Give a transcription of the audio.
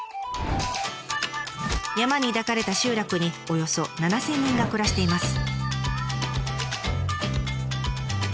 山に抱かれた集落におよそ７，０００人が暮らしています。